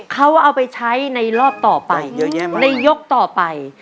เขาเอาไปใช้ในรอบต่อไปในยกต่อไป